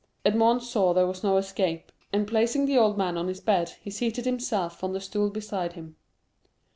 Edmond saw there was no escape, and placing the old man on his bed, he seated himself on the stool beside him.